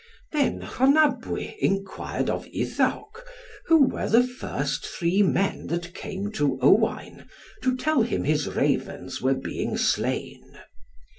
Then Rhonabwy enquired of Iddawc, who were the first three men that came to Owain, to tell him his Ravens were being slain.